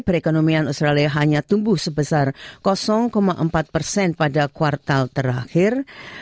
perekonomian australia hanya tumbuh sebesar empat persen pada kuartal terakhir